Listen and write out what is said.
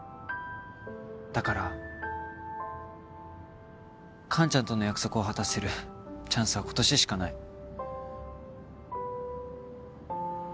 だからカンちゃんとの約束を果たせるチャンスは今年しかない。